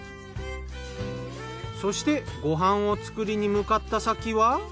そしてご飯を作りに向かった先は？